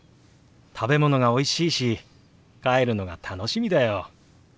食べ物がおいしいし帰るのが楽しみだよ。